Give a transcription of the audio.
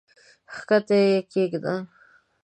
کښته یې کښېږده!